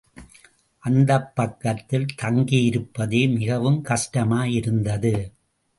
அந்தப்பக்கத்தில் தங்கியிருப்பதே மிகவும் கஷ்டமாயிருந்தது.